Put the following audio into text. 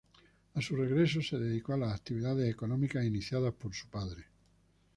A su regreso se dedicó a las actividades económicas iniciadas por su padre.